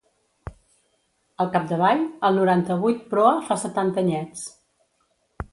Al capdavall, el noranta-vuit Proa fa setanta anyets.